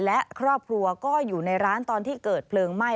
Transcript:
และครอบครัวก็อยู่ในร้านตอนที่เกิดเพลิงไหม้